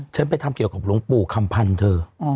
กับหลวงปู่คำพันธ์เธอ